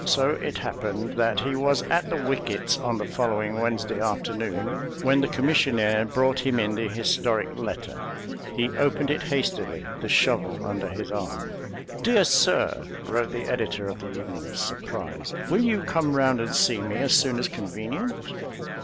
So it happened that he was at the wickets on the following Wednesday afternoon when the commissionaire brought him in the historic letter. He opened it hastily, the shovel under his arm. "Dear Sir," wrote the editor of The Evening Surprise, "will you come round and see me as soon as convenient?"